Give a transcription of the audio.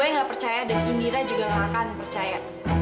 saya dan indira juga gak akan percaya